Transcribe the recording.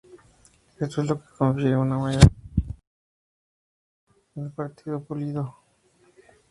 Esto es lo que le confiere una mayor actividad catalítica que el platino pulido.